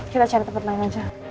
kita cari tempat lain aja